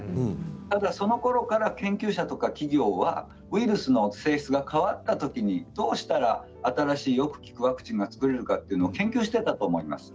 ただそのころから研究者や企業はウイルスの性質が変わったときにどうしたら新しい、よく効くワクチンが作れるか研究していたと思います。